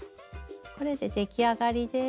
これで出来上がりです。